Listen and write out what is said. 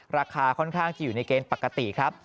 ราคาค่อนข้างจะอยู่ในเกณฑ์ปกติครับ